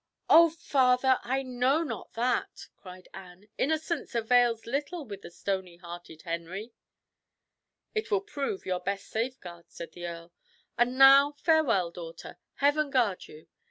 "Oh, father! I know not that," cried Anne. "Innocence avails little with the stony hearted Henry." "It will prove your best safeguard," said the earl. "And now farewell, daughter! Heaven guard you!